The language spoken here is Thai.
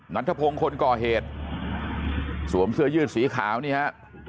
นัทธพงศ์คนก่อเหตุสวมเสื้อยืดสีขาวนี่ฮะ